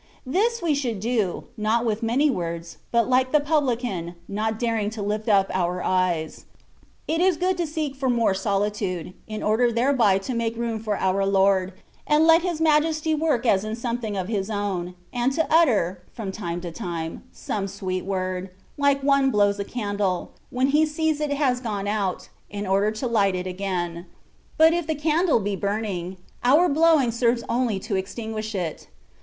This we should do, not with many words^ but like the pub lican, not daring to lift up our eyes. It is good to seek for more solitude, in order thereby to make room for our Lord, and let His Majesty work as in something of His own, and to utter, from time to time, some sweet word, like one blows a candle, when he sees it has gone out, in order to light it again ; but if the candle be burn ing, our blowing serves only to extinguish it.